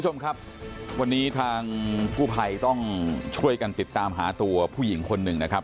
วันนี้ทางกู้ภัยต้องช่วยกันติดตามหาตัวผู้หญิงคนหนึ่งนะครับ